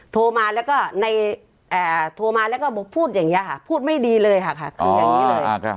โทรมาแล้วก็พูดอย่างนี้ค่ะพูดไม่ดีเลยค่ะ